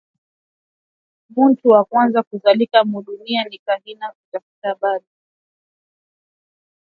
Muntu wakwanza kuzalika mu dunia ni kahina kufata abali